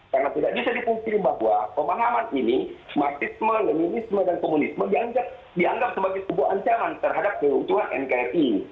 karena tidak bisa dipungkiri bahwa pemahaman ini marxisme leninisme dan komunisme dianggap sebagai sebuah ancaman terhadap keutuhan nkri